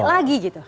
sama kan itu ilu